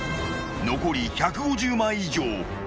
［残り１５０枚以上。